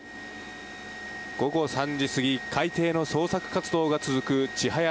午後３時すぎ海底の捜索活動が続く「ちはや」